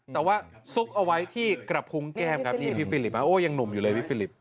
แต่ว่าซุกเอาไว้ที่กระพุงแก้มครับนี่พี่ฟิลิปมาโอ้ยังหนุ่มอยู่เลยพี่ฟิลิป